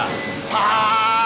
さあ。